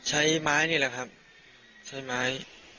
ใช้ไม้นี่แหละครับใช้ไม้